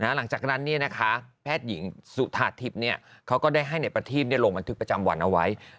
หลังจากนั้นแพทย์หญิงสุธาทิพย์เขาก็ได้ให้นายประทีพลงบันทึกประจำวันเอาไว้